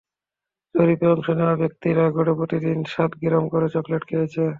জরিপে অংশ নেওয়া ব্যক্তিরা গড়ে প্রতিদিন সাত গ্রাম করে চকলেট খেয়েছেন।